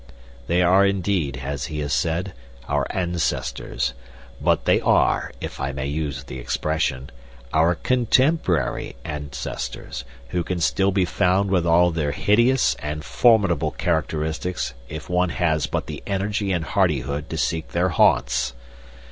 They are indeed, as he has said, our ancestors, but they are, if I may use the expression, our contemporary ancestors, who can still be found with all their hideous and formidable characteristics if one has but the energy and hardihood to seek their haunts.